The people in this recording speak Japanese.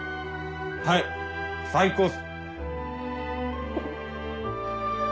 はい最高っす！